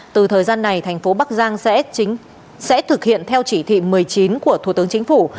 từ thời gian này thành phố bắc giang sẽ thực hiện theo chỉ thị một mươi chín của thủ tướng chính phủ